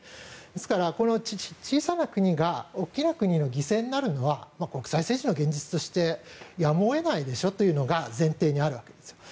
ですから、小さな国が大きな国の犠牲になるのは国際政治の現実としてやむを得ないでしょうというのが前提にあるわけですよ。